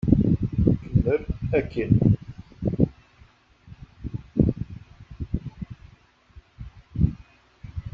Uwɣeɣ.